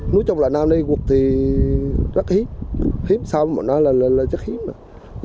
nói chung là năm nay quốc thì rất hiếp hiếp xong mà nó là chất hiếp